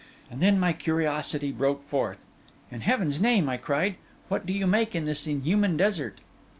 And then my curiosity broke forth. 'In Heaven's name,' I cried, 'what do you make in this inhuman desert?